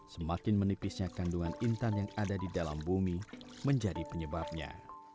semakin menipisnya kandungan intan yang ada di dalam bumi menjadi penyebabnya